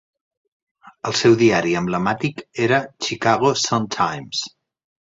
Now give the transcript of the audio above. El seu diari emblemàtic era "Chicago Sun-Times".